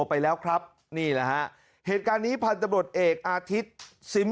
ไปแล้วครับนี่แหละฮะเหตุการณ์นี้พันธบรวจเอกอาทิตย์ซิม